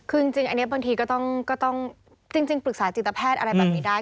คือจริงอันนี้บางทีก็ต้องจริงปรึกษาจิตแพทย์อะไรแบบนี้ได้